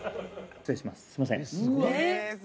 失礼します